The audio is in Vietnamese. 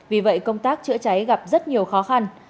vì vậy công tác chữa cháy gặp rất nhiều khó khăn